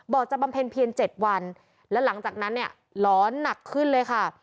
จะบำเพ็ญเพียง๗วันแล้วหลังจากนั้นเนี่ยหลอนหนักขึ้นเลยค่ะ